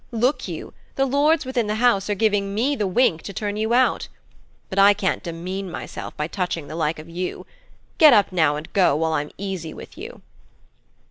Look you! The lords within the house are giving me the wink to turn you out. But I can't demean myself by touching the like of you. Get up now and go while I'm easy with you.'